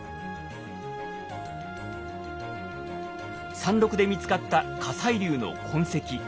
山麓で見つかった火砕流の痕跡。